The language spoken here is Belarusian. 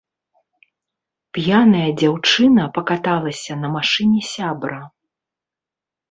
П'яная дзяўчына пакаталася на машыне сябра.